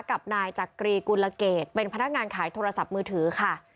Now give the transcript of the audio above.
กับนายจักรีกุลเกตเป็นพนักงานขายโทรศัพท์มือถือค่ะ